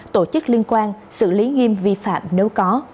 tổ chức liên quan xử lý nghiêm vi phạm nếu có